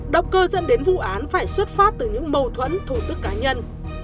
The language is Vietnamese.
động cơ dẫn đến vụ án phải xuất phát từ những mâu thuẫn thủ tức cá nhân